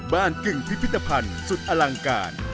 กึ่งพิพิธภัณฑ์สุดอลังการ